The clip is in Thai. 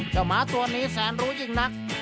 หมาตัวนี้แสนรู้ยิ่งนัก